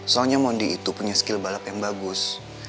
soalnya mondi itu punya skill balap yang bagus